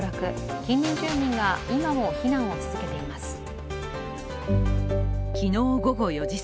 近隣住民が今も避難を続けています。